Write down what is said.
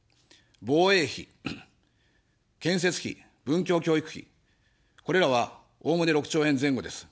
防衛費、建設費、文教教育費、これらは、おおむね６兆円前後です。